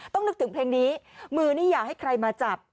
นึกถึงเพลงนี้มือนี่อยากให้ใครมาจับ